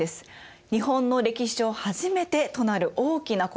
日本の歴史上初めてとなる大きなこと。